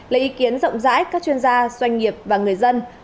lấy ý kiến rộng rãi các chuyên gia doanh nghiệp và người dân